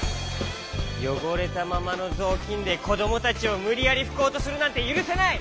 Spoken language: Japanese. よごれたままのぞうきんでこどもたちをむりやりふこうとするなんてゆるせない！